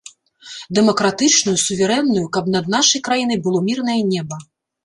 Дэмакратычную, суверэнную, каб над нашай краінай было мірнае неба.